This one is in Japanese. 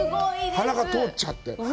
鼻が通っちゃって。